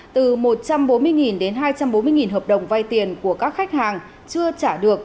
từ một trăm bốn mươi đến hai trăm bốn mươi hợp đồng vay tiền của các khách hàng chưa trả được